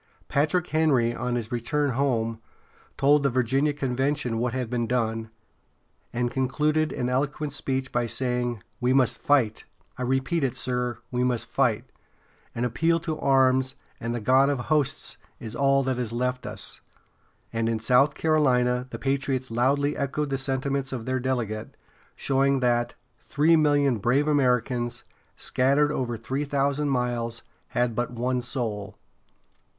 Patrick Henry, on his return home, told the Virginia convention what had been done, and concluded an eloquent speech by saying: "We must fight! I repeat it, sir, we must fight! An appeal to arms and the God of hosts is all that is left us." And in South Carolina the patriots loudly echoed the sentiments of their delegate, showing that "three million brave Americans, scattered over three thousand miles, had but one soul."